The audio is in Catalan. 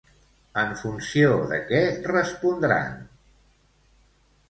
En funció de què respondran?